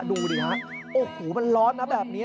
ดูดิฮะโอ้โหมันร้อนนะแบบนี้